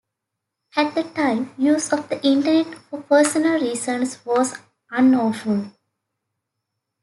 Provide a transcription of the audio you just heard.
At the time, use of the Internet for personal reasons was unlawful.